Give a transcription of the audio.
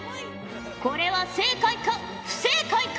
これは正解か不正解か？